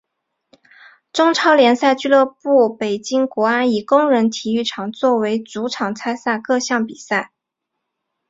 中超联赛俱乐部北京国安以工人体育场作为主场参加各项比赛。